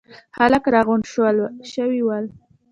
خلک راغونډ شوي ول.